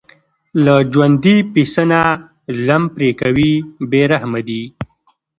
له ژوندي پسه نه لم پرې کوي بې رحمه دي.